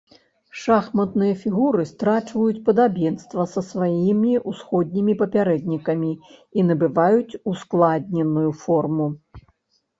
Шахматныя фігуры страчваюць падабенства са сваімі ўсходнімі папярэднікамі і набываюць ускладненую форму.